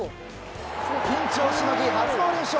ピンチをしのぎ初の連勝。